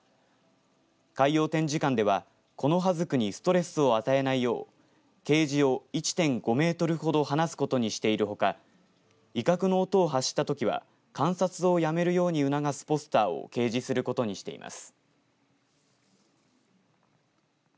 海洋展示館ではコノハズクにストレスを与えないようケージを１．５メートルほど離すことにしているほか威嚇の音を発したときは観察をやめるように促すポスターを掲示することにしています。